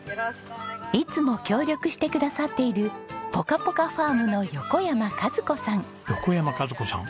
いつも協力してくださっているぽかぽかファームの横山和子さん！？